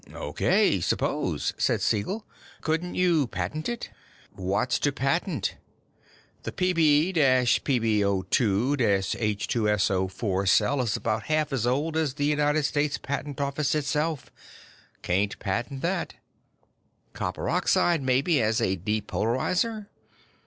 "O.K., suppose," said Siegel. "Couldn't you patent it?" "What's to patent? The Pb PbO_2 H_2SO_4 cell is about half as old as the United States Patent Office itself. Can't patent that. Copper oxide, maybe, as a depolarizer?